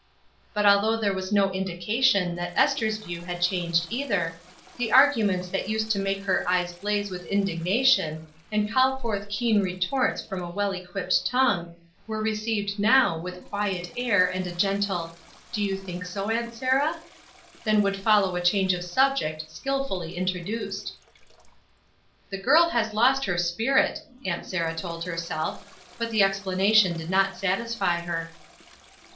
But although there was no indication that Esther's view had changed, either, the arguments that used to make her eyes blaze with indignation, and call forth keen retorts from a well equipped tongue, were received now with quiet air and a gentle, "Do you think so, Aunt Sarah?" Then would fol low a change of subject, skilfully introduced. "The girl has lost her spirit," Aunt Sarah told herself, but the explanation did not satisfy her.